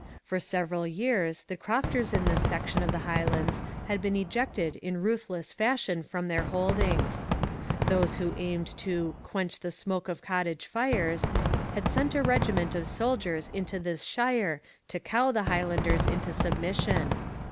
For several years the crofters in this section of the Highlands had been ejected in ruthless fashion from their holdings. Those who aimed to 'quench the smoke of cottage fires' had sent a regiment of soldiers into this shire to cow the Highlanders into submission.